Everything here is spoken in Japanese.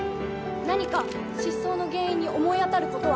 何か失踪の原因に思い当たることは？